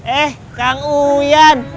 eh kang uyan